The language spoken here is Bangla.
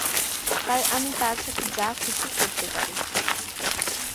তাই আমি তার সাথে যা খুশি করতে পারি।